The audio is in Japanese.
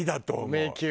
迷宮。